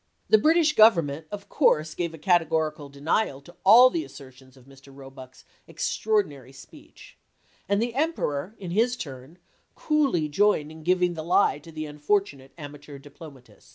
The British Government, of course, gave a cate gorical denial to all the assertions of Mr. Roebuck's extraordinary speech, and the Emperor, in his turn, coolly joined in giving the lie to the unfortunate amateur diplomatist.